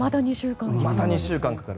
また２週間かかる。